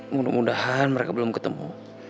mudah mudahan mereka belum ketemu